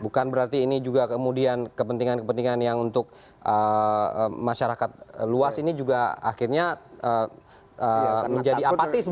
bukan berarti ini juga kemudian kepentingan kepentingan yang untuk masyarakat luas ini juga akhirnya menjadi apatis